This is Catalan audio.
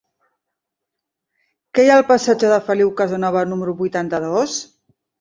Què hi ha al passatge de Feliu Casanova número vuitanta-dos?